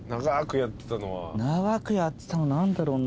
長くやってたの何だろうな。